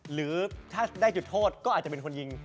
หรือถ้าได้จุดโทษก็อาจจะเป็นคนยิง